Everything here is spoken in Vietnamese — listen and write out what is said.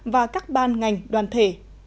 và các ban ngành đoàn thể